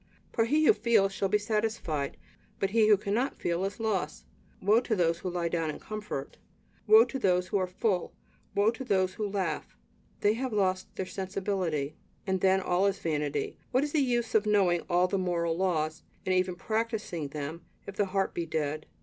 For he who feels shall be satisfied; but he who cannot feel is lost; woe to those who lie down in comfort, woe to those who are full, woe to those who laugh they have lost their "sensibility." And then all is vanity. What is the use of knowing all the moral laws, and even practising them, if the heart be dead?